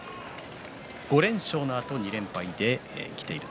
５連勝のあと２連敗できている